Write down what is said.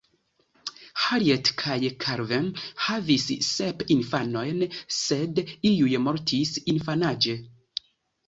Harriet kaj Calvin havis sep infanojn, sed iuj mortis infanaĝe.